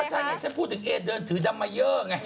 ก็ใช่ไงฉันพูดถึงเอเดินถือดำไมเยอะไงเธอ